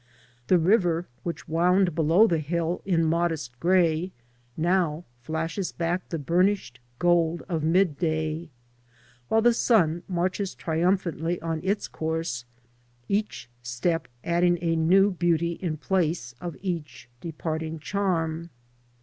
The river, which wound below the hill in modest grey, now flashes back the burnished gold of mid day, whilst the sun marches triumphantly on its course, each step adding a new beauty in place of each departing charm.